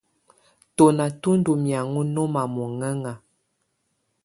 Tɔ́ná tú ndɔ́ mɛ̀áŋɔ́ nɔ́ma mɔŋɛ́ŋa.